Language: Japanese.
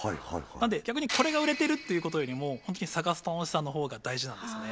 なので逆にこれが売れてるということよりも探す楽しさの方が大事なんですね